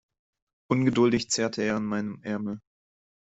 Ungeduldig zerrte er an meinem Ärmel.